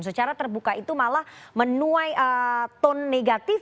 secara terbuka itu malah menuai tone negatif